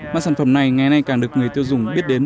mà sản phẩm này ngày nay càng được người tiêu dùng biết đến